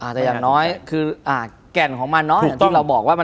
จะแต่อย่างน้อยแก่นของมันน้อย